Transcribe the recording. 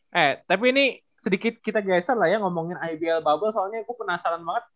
head tapi ini sedikit kita geser lah ya ngomongin ibl bubble soalnya aku penasaran banget